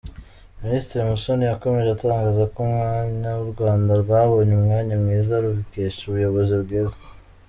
Minisitiri Musoni yakomeje atangaza ko umwanya u Rwanda rwabonye umwanya mwiza rubikesha ubuyobozi bwiza.